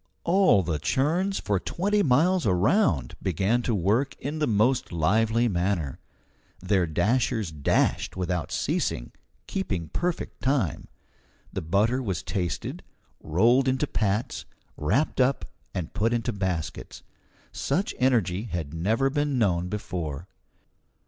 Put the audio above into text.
All the churns for twenty miles around began to work in the most lively manner. Their dashers dashed without ceasing, keeping perfect time. The butter was tasted, rolled into pats, wrapped up, and put into baskets. Such energy had never been known before.